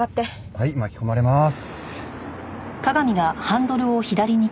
はい巻き込まれまーす！